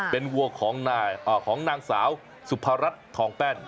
เป็นวัวของนางสาวสุภารัฐทองแป้น